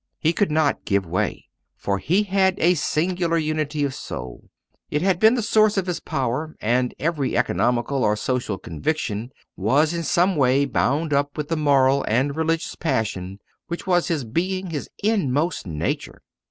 He could not give way, for he had a singular unity of soul it had been the source of his power and every economical or social conviction was in some way bound up with the moral and religious passion which was his being his inmost nature.